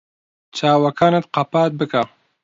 چاوەکانت قەپات بکە.